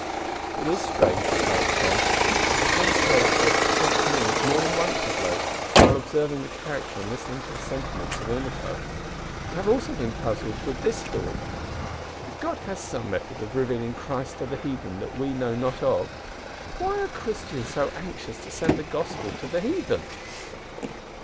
"It is strange," replied Tom, "that the same thought has occurred to me more than once of late, when observing the character and listening to the sentiments of Unaco. And I have also been puzzled with this thought if God has some method of revealing Christ to the heathen that we know not of, why are Christians so anxious to send the Gospel to the heathen?"